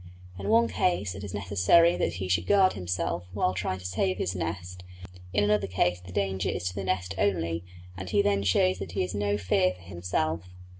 In one case it is necessary that he should guard himself while trying to save his nest; in another case the danger is to the nest only, and he then shows that he has no fear for himself.